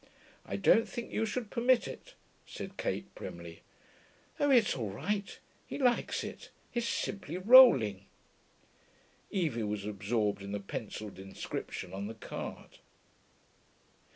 'I don't think you should permit it,' said Kate primly. 'Oh, it's all right. He likes it. He's simply rolling.' Evie was absorbed in the pencilled inscription on the card.